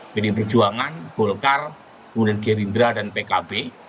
pdi perjuangan golkar kemudian gerindra dan pkb